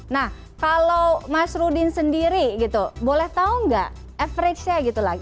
nah kalau mas rudin sendiri gitu boleh tahu nggak average nya gitu lah